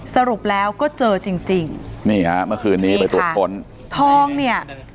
สรุปแล้วก็เจอจริงจริงนี่ฮะเมื่อคืนนี้ไปตรวจค้นทองเนี่ย